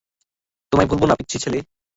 তোমায় ভুলব না, পিচ্চি ছেলে।